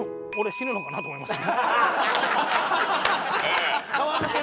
「死ぬのかなと思いました」。